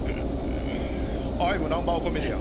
アイムナンバーワンコメディアン。